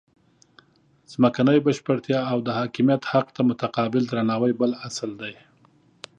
ځمکنۍ بشپړتیا او د حاکمیت حق ته متقابل درناوی بل اصل دی.